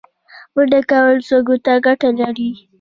منډه کول سږو ته ګټه لري